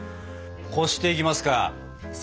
こしていきますか。